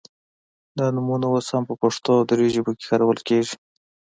دا نومونه اوس هم په پښتو او دري ژبو کې کارول کیږي